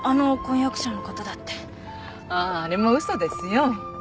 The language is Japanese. あああれも嘘ですよ。